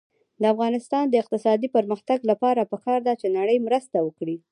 د افغانستان د اقتصادي پرمختګ لپاره پکار ده چې نړۍ مرسته وکړي.